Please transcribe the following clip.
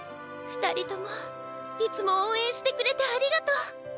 ふたりともいつもおうえんしてくれてありがとう。